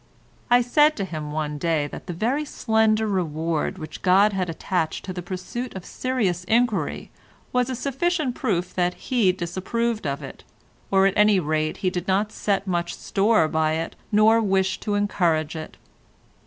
I said to him one day that the very slender reward which God had attached to the pursuit of serious inquiry was a sufficient proof that He disapproved of it, or at any rate that He did not set much store by it nor wish to encourage it.